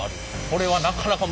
これは。